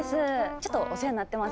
ちょっとお世話になってます。